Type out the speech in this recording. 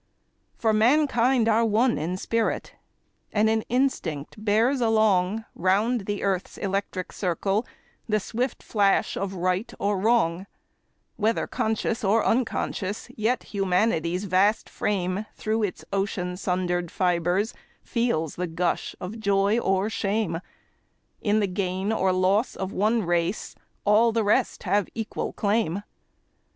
For mankind are one in spirit, and an instinct bears along, Round the earth's electric circle, the swift flash of right or wrong; Whether conscious or unconscious, yet Humanity's vast frame Through its ocean sundered fibres feels the gush of joy or shame;— In the gain or loss of one race all the rest have equal claim.